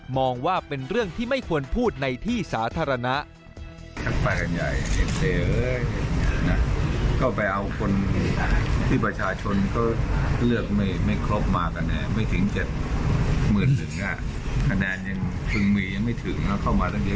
ว่าเป็นเรื่องที่ไม่ควรพูดในที่สาธารณะ